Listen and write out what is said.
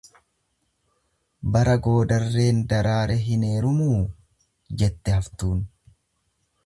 Bara goodarreen daraare hin heerumuu? jette haftuun.